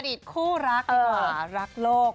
อดีตคู่รักหรือเปล่ารักโรค